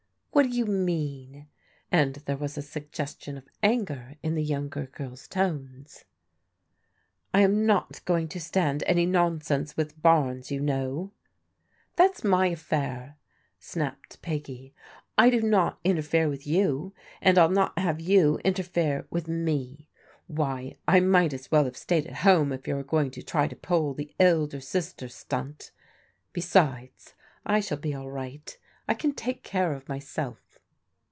" What do you mean? " and there was a suggestion of anger in the younger girl's tones. " I am not going to stand any nonsense with Barnes, you know." " Thai's my affair," snapped Peggy. " I do not inter fere with you, and 111 not have you interfere with me. Why, I might as well have stayed at home, if you are going to try to pull the elder sister stunt. Besides, I shall be all right ; I can take care of myself."